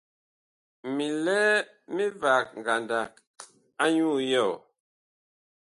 Mi lɛ mivag ngandag anyuu yɔɔ.